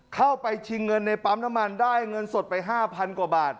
เข้าไปชิงเงินในปั๊มน้ำมันได้เงินสดไป๕๐๐กว่าบาท